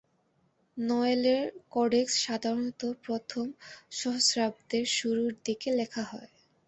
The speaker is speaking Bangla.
নওয়েলের কোডেক্স সাধারণত প্রথম সহস্রাব্দের শুরুর দিকে লেখা হয়।